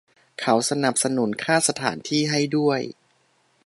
เขาสนับสนุนค่าสถานที่ให้ด้วย